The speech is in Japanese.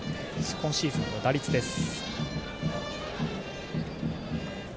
今シーズンの打率です。